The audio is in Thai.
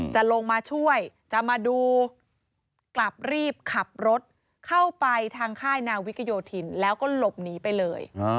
จะลงมาช่วยจะมาดูกลับรีบขับรถเข้าไปทางค่ายนาวิกโยธินแล้วก็หลบหนีไปเลย